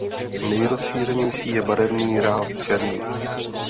Nejrozšířenější je barevný ráz černý.